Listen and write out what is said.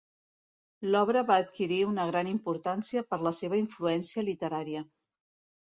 L'obra va adquirir una gran importància per la seva influència literària.